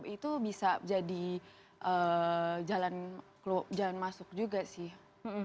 itu bisa jadi jalan masuk juga sih